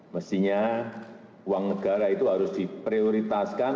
mestinya uang negara itu harus diprioritaskan